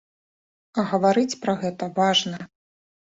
А гаварыць пра гэта важна.